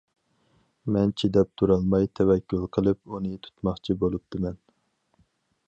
مەن چىداپ تۇرالماي، تەۋەككۈل قىلىپ ئۇنى تۇتماقچى بولۇپتىمەن.